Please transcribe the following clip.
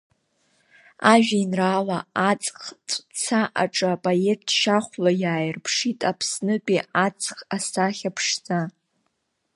Ажәеинраала Аҵх-Ҵәца аҿы апоет шьахәла иааирԥшит Аԥснытәи аҵх асахьа ԥшӡа.